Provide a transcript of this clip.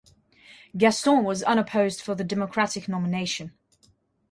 Gaston was unopposed for the Democratic nomination.